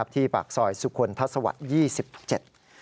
ที่ปากซอยสุคลทัศวรรษยี่สิบเจ็ด